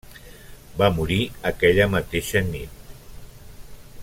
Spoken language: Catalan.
Va morir aquella mateixa nit.